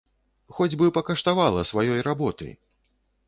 Хоць бы пакаштавала сваёй работы!